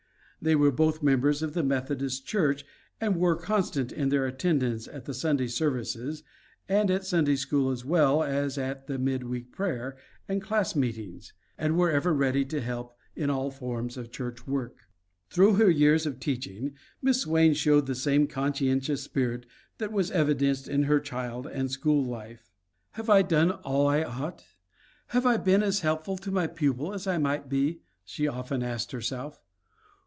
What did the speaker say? They were both members of the Methodist Church and were constant in their attendance at the Sunday services and at Sunday school as well as at the midweek prayer and class meetings, and were ever ready to help in all forms of church work. Through her years of teaching Miss Swain showed the same conscientious spirit that was evidenced in her child and school life. "Have I done all I ought? Have I been as helpful to my pupils as I might be?" she often asked herself.